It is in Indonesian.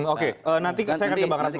oke nanti saya ke bang rasman